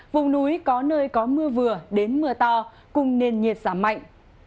vùng núi có nơi có mưa vừa đến mưa to cùng nền nhiệt giảm mạnh